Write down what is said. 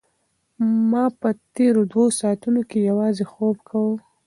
ما په تېرو دوو ساعتونو کې یوازې خوب کاوه.